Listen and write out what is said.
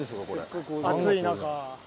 暑い中。